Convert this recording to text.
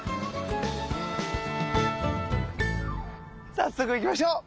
早速行きましょう！